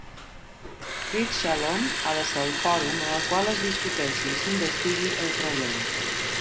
Brith Shalom ha de ser el fòrum en el qual es discuteixi i s'investigui el problema.